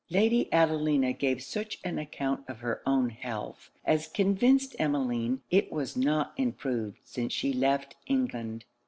Lady Adelina gave such an account of her own health as convinced Emmeline it was not improved since she left England.